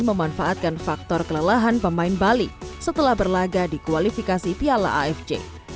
memanfaatkan faktor kelelahan pemain bali setelah berlaga di kualifikasi piala afc